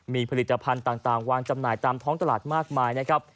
มีผลิตภัณฑ์ต่างวางจำหน่ายตามท้องตลาดมากมายนะครับ